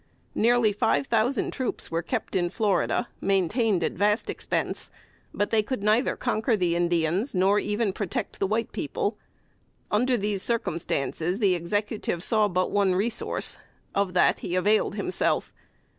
Nearly five thousand troops were kept in Florida, maintained at vast expense; but they could neither conquer the Indians, nor even protect the white people. Under these circumstances, the Executive saw but one resource; of that he availed himself.